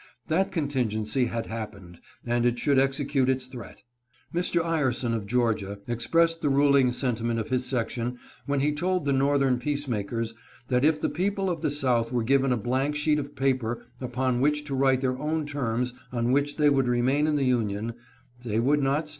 That contingency had hap pened, and it should execute its threat. Mr. Ireson of Georgia, expressed the ruling sentiment of his section when he told the northern peacemakers that if the people of the South were given a blank sheet of paper upon which to write their own terms on which they would remain in the Union, they would not stay.